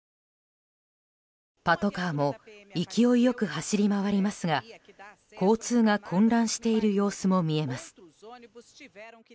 パトカーも勢いよく走り回りますが交通が混乱している様子も見えます。